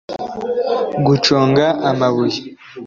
guconga amabuye